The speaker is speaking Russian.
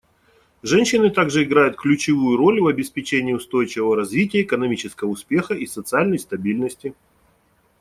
Женщины также играют ключевую роль в обеспечении устойчивого развития, экономического успеха и социальной стабильности.